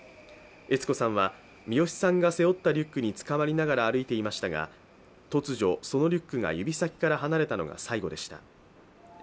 悦子さんは、視良さんが背負ったリュックにつかまりながら歩いていましたが、突如、そのリュックが指先から離れたのが最後でした。